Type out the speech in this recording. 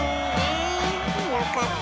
よかった。